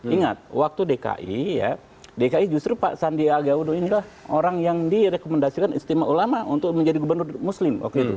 ingat waktu dki ya dki justru pak sandiaga uno inilah orang yang direkomendasikan istimewa ulama untuk menjadi gubernur muslim waktu itu